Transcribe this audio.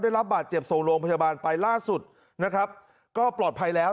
ได้รับบาดเจ็บส่งโรงพยาบาลไปล่าสุดนะครับก็ปลอดภัยแล้ว